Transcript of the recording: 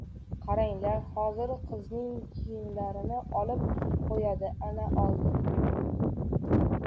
— Qaranglar, hozir qizning kiyimlarini olib qo‘yadi, ana oldi!